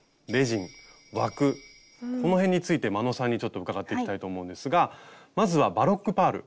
この辺について眞野さんにちょっと伺っていきたいと思うんですがまずはバロックパール。